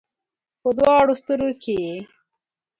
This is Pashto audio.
په دواړو سترګو کې یې